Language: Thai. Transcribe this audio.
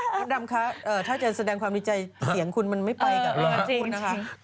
ดำคะถ้าจะแสดงความดีใจเสียงคุณมันไม่ไปกับเรื่องคุณนะคะ